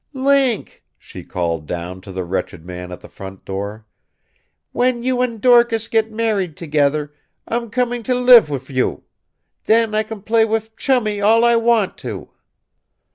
"Link!" she called down to the wretched man at the front door. "When you and Dorcas gets married together, I'm comin' to live wiv you! Then I can play wiv Chummie all I want to!"